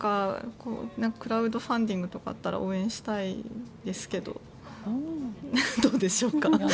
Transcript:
クラウドファンディングとかあったら応援したいですけどどうでしょうか。